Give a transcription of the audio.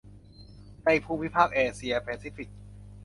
ในภูมิภาคเอเชียแปซิฟิก